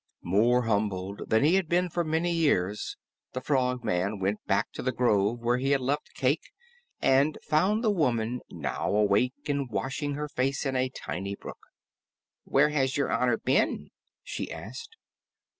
More humbled than he had been for many years, the Frogman went back to the grove where he had left Cayke and found the woman now awake and washing her face in a tiny brook. "Where has Your Honor been?" she asked.